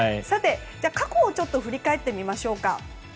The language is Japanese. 過去を振り返ってみましょうか。